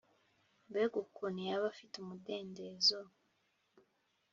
mbega ukuntu yaba afite umudendezo